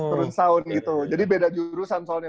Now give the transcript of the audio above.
turun sound gitu jadi beda jurusan soalnya